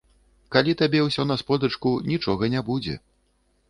Калі табе ўсё на сподачку, нічога не будзе.